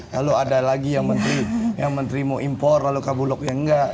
lalu ada lagi yang menteri mau impor lalu kabulok yang nggak